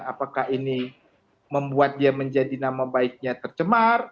apakah ini membuat dia menjadi nama baiknya tercemar